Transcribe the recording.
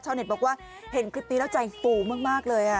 เน็ตบอกว่าเห็นคลิปนี้แล้วใจฟูมากเลย